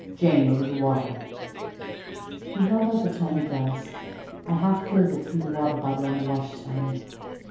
Jane, a little water." He held out the tiny glass, and I half filled it from the water bottle on the washstand.